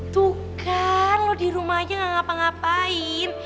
tuh kan lo di rumah aja ga ngapa ngapain